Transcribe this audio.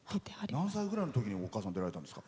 何歳ぐらいのときにお母さん、出られたんですか？